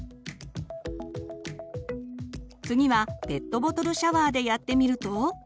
次はペットボトルシャワーでやってみると。